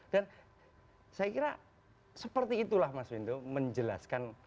dan saya kira seperti itulah mas wendo menjelaskan